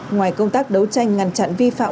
ngoài công tác đấu tranh ngăn chặn vi phạm